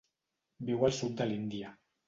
Viu al sud de l'Índia.